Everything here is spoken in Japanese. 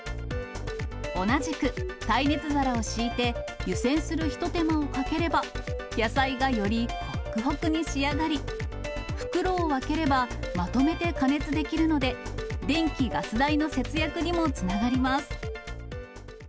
同じく、耐熱皿を敷いて、湯煎する一手間をかければ、野菜がよりほっくほくに仕上がり、袋を分ければ、まとめて加熱できるので、電気、ガス代の節約にもつながります。